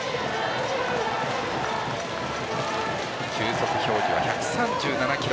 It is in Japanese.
球速表示は１３７キロ。